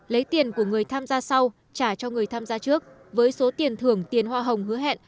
lấy tiền của người tham gia sau trả cho người tham gia trước với số tiền thưởng tiền hoa hồng hứa hẹn